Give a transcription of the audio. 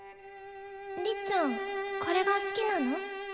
りっちゃんこれが好きなの？